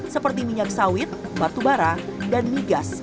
seperti minyak sawit batu bara dan migas